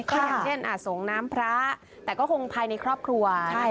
ก็อย่างเช่นสงน้ำพระแต่ก็คงภายในครอบครัว